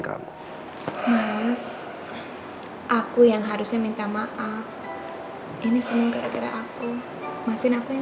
kalau kamu terus perhatiin aku disini